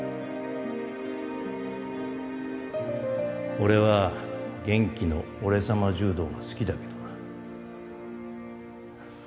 俺は玄暉のオレ様柔道が好きだけどな。